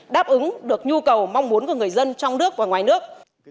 đáp ứng được nhu cầu mong muốn của người dân trong nước và ngoài nước